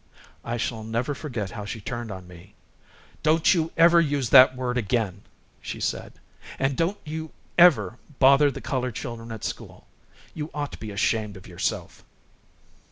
I shall never forget how she turned on me. "Don't you ever use that word again," she said, "and don't you ever bother the colored children at school. You ought to be ashamed of yourself."